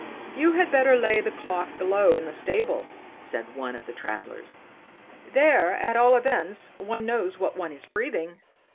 "You had better lay the cloth below in the stable," said one of the travellers; "there, at all events, one knows what one is breathing."